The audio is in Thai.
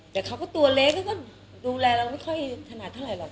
แต่เขาก็ตัวเล็กแล้วก็ดูแลเราไม่ค่อยถนัดเท่าไหรหรอก